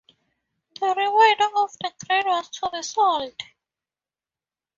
The remainder of the grain was to be sold.